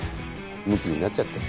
むきになっちゃって。